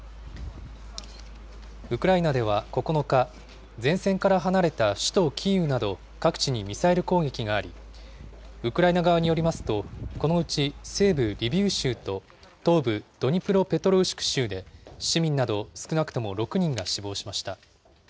ウクライナでは９日、前線から離れた首都キーウなど、各地にミサイル攻撃があり、ウクライナ側によりますと、このうち西部リビウ州と東部ドニプロペトロウシク州で市民など、少なくとも６人が死亡しました。